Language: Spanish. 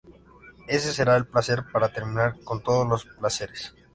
Ese será el placer para terminar con todos los placeres".